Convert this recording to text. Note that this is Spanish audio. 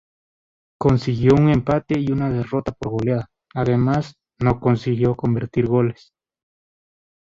Consiguió un empate y una derrota por goleada, además, no consiguió convertir goles.